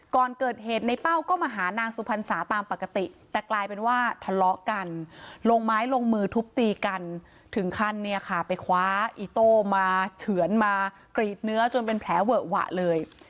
ก่อนเกิดเหตุในเป้าก็มาหานางสุพรรษาตามปกติแต่กลายเป็นว่าทะเลาะกันลงไม้ลงมือทุบตีกันถึงขั้นเนี่ยค่ะไปคว้าอีโต้มาเฉือนมากรีดเนื้อจนเป็นแผลเวอะหวะเลย